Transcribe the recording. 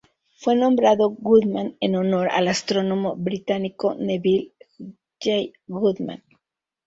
Fue nombrado Goodman en honor al astrónomo británico Neville J. Goodman.